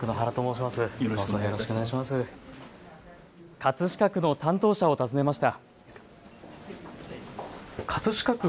葛飾区の担当者を訪ねました。